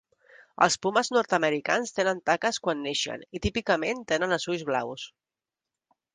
Els pumes nord-americans tenen taques quan neixen i típicament tenen els ulls blaus.